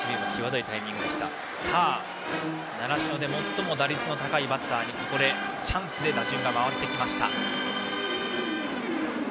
習志野で最も打率の高いバッターにチャンスで打順が回ってきました。